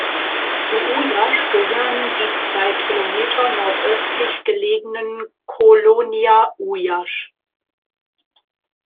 Zu Ujazd gehört die zwei Kilometer nordöstlich gelegenen Kolonia Ujazd.